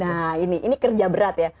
nah ini ini kerja berat ya